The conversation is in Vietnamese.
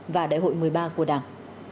và đại hội một mươi ba của đảng